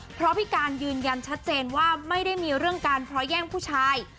เพราะพี่การยืนยันชัดเจนว่าไม่ได้มีเรื่องการเพราะแย่งผู้ชาย